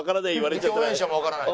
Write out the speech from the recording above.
共演者もわからない。